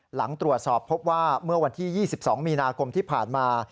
หลังตรวจสอบพบว่าเมื่อวันที่๒๒มีนาคมที่ผ่านมา